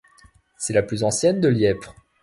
C’est la plus ancienne de Lièpvre.